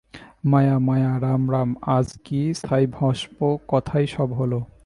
মায়া-মায়া!! রাম রাম! আজ কি ছাইভস্ম কথাই সব হল।